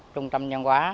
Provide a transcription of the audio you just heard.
trung tâm nhân hóa